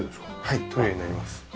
はいトイレになります。